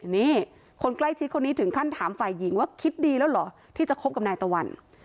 นี่คนใกล้ชิดคนนี้ถึงขั้นถามฝ่ายหญิงว่าคิดดีแล้วเหรอที่จะคบกับนายตะวัน